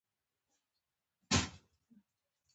موږ انتقاد په اهانت بدل کړو.